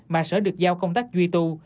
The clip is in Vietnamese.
mà sở được giao công tác duy tu